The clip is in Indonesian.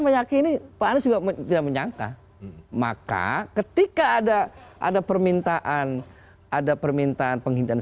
meyakini pak anies juga tidak menyangka maka ketika ada ada permintaan ada permintaan penghentian